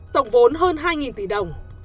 tổng vốn hơn hai tỷ đồng